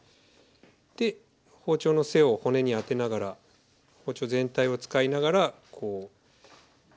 で包丁の背を骨にあてながら包丁全体を使いながらこう。